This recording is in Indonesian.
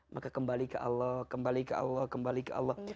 maka kembali ke allah kembali ke allah kembali ke allah